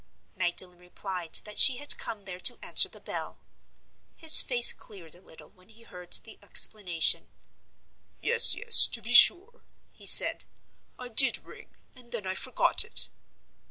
Magdalen replied that she had come there to answer the bell. His face cleared a little when he heard the explanation. "Yes, yes; to be sure," he said. "I did ring, and then I forgot it."